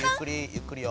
ゆっくりよ。